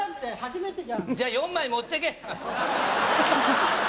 じゃあ、４枚持ってけ。